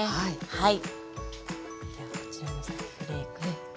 はい。